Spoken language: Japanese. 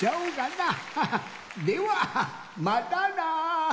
ではまたな！